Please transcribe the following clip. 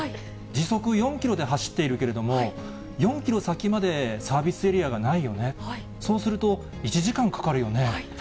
時速４キロで走っているけれども、４キロ先までサービスエリアがないよね、そうすると、１時間かかるよね。